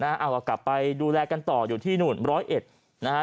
อ่าว่ากลับไปดูแลกันต่ออยู่ที่โบ๊ยระดับ๑๐๑